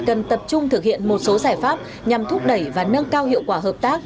cần tập trung thực hiện một số giải pháp nhằm thúc đẩy và nâng cao hiệu quả hợp tác